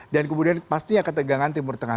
dan kemudian pastinya ketegangan timur tengah